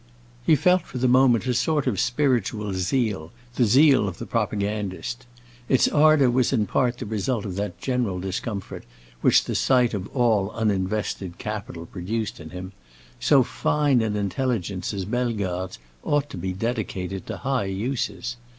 He felt for the moment a sort of spiritual zeal, the zeal of the propagandist. Its ardor was in part the result of that general discomfort which the sight of all uninvested capital produced in him; so fine an intelligence as Bellegarde's ought to be dedicated to high uses.